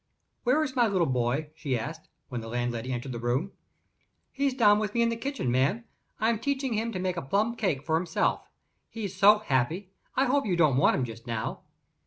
"Where is my little boy?" she asked, when the landlady entered the room. "He's down with me in the kitchen, ma'am; I'm teaching him to make a plum cake for himself. He's so happy! I hope you don't want him just now?"